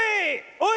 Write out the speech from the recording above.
おい！